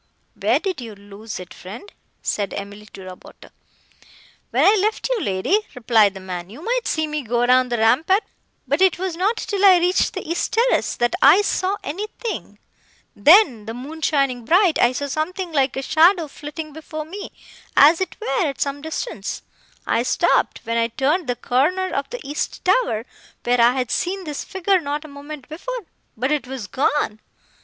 "Where did you lose it, friend?" said Emily to Roberto. "When I left you, lady," replied the man, "you might see me go down the rampart, but it was not till I reached the east terrace, that I saw anything. Then, the moon shining bright, I saw something like a shadow flitting before me, as it were, at some distance. I stopped, when I turned the corner of the east tower, where I had seen this figure not a moment before,—but it was gone!